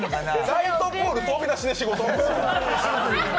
ナイトプール飛び出しで仕事？